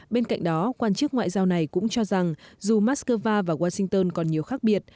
bên cạnh đó quan chức ngoại giao này cũng cho rằng dù moscow và washington còn nhiều khác biệt